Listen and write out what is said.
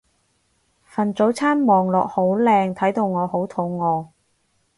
份早餐望落好靚睇到我好肚餓